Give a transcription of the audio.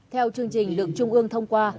theo chương trình lượng trung ương thông qua